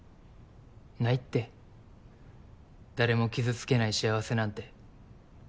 ないって誰も傷つけない幸せなんて。